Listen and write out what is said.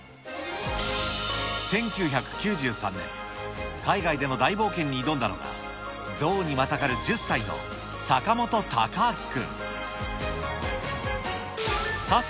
１９９３年、海外での大冒険に挑んだのが、象にまたがる１０歳の坂本峰照君。